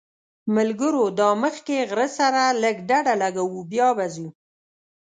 ملګرو دا مخکې غره سره لږ ډډه لګوو بیا به ځو.